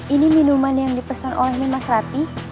ini minuman yang dipesan oleh mimas rati